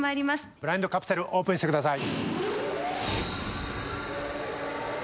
ブラインドカプセルオープンしてください。